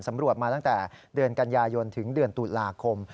ตำรวจมาตั้งแต่เดือนกันยายนถึงเดือนตุลาคม